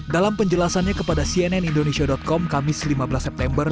dalam penjelasannya kepada cnn indonesia com kamis lima belas september